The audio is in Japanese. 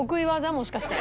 もしかして。